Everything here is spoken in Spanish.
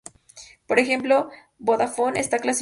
Por ejemplo, Vodafone está clasificada No.